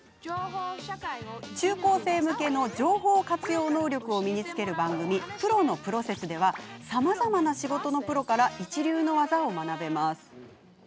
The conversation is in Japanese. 中高生向けの情報活用能力を身につける番組「プロのプロセス」ではさまざまな仕事のプロから一流の技を学べます。